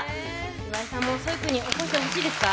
岩井さんもソイ君に起こしてほしいですか？